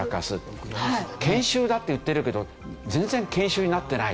研修だって言ってるけど全然研修になってない。